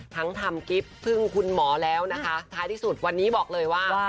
ทำกิฟต์พึ่งคุณหมอแล้วนะคะท้ายที่สุดวันนี้บอกเลยว่า